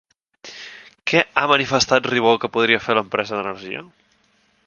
Què ha manifestat Ribó que podria fer l'empresa d'energia?